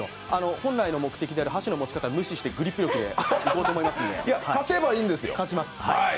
本来の目的である箸の持ち方は無視して、グリップ力でいこうと思いますので、勝ちます。